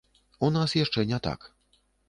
У нас яшчэ не так.